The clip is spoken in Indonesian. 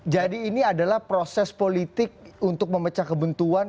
jadi ini adalah proses politik untuk memecah kebentuan